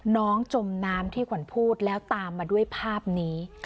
จมน้ำที่ขวัญพูดแล้วตามมาด้วยภาพนี้